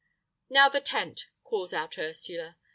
"Now the tent," calls out Ursula.